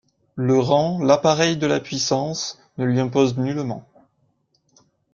Le rang, l'appareil de la puissance, ne lui imposent nullement.